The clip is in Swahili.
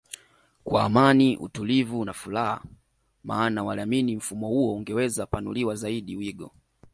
kwa Amani utulivu na furaha maana waliamini mfumo huo ungewa panulia zaidi wigo